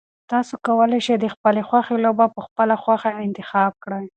تاسو کولای شئ چې د خپلې خوښې لوبه په خپله خوښه انتخاب کړئ.